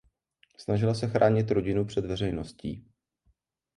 Snažila se chránit rodinu před veřejností.